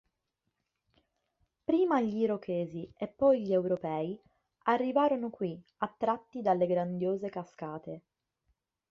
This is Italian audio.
Prima gli Irochesi e poi gli europei arrivarono qui attratti dalle grandiose cascate.